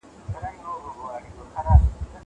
زه به سبا مکتب ته ولاړم!